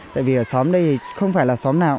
tại vì ở xóm đây không phải là xóm nào